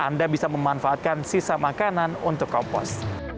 anda bisa memanfaatkan sisa makanan untuk kompos